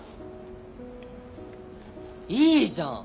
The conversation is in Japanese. いいじゃん！